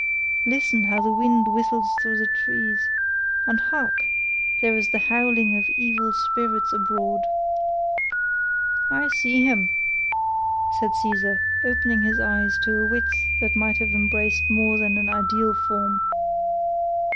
Listen how the wind whistles through the trees; and hark! there is the howling of evil spirits abroad." "I see him," said Caesar, opening his eyes to a width that might have embraced more than an ideal form.